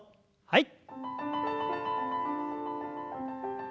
はい。